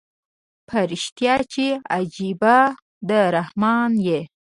په ریشتیا چي عجایبه د رحمان یې